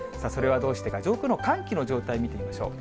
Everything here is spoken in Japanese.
それはどうしてか、上空の寒気の状態、見てみましょう。